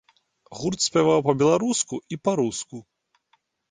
Гурт спяваў па-беларуску і па-руску.